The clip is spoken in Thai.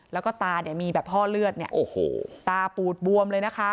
แล้วก็ตาเนี่ยมีแบบห้อเลือดเนี่ยโอ้โหตาปูดบวมเลยนะคะ